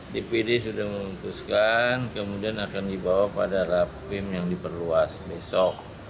dpd sudah memutuskan kemudian akan dibawa pada rapim yang diperluas besok